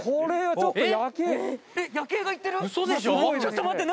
ちょっと待って何？